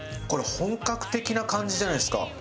これ本格的な感じじゃないですか。